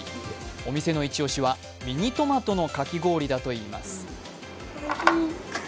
お店のイチ押しはミニトマトのかき氷だといいます。